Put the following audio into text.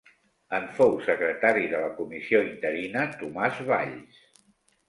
En fou secretari de la comissió interina Tomàs Valls.